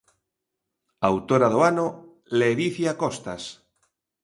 Autora do ano: Ledicia Costas.